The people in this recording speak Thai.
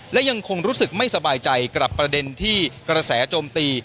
และยังคงรู้สึกไม่สบายใจกับประเด็นที่กระแสโจมตี